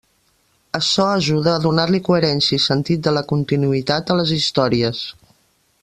Açò ajuda a donar-li coherència i sentit de la continuïtat a les històries.